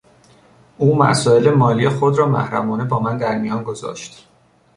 او مسایل مالی خود را محرمانه با من در میان گذاشت.